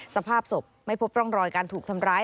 สภาพศพไม่พบร่องรอยการถูกทำร้าย